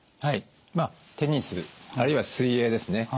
まあテニスあるいは水泳ですね。